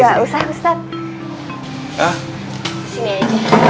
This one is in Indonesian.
enggak usah ustaz